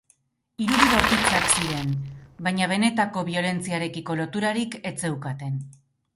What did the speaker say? Irudi bortitzak ziren, baina benetako biolentziarekiko loturarik ez zeukaten.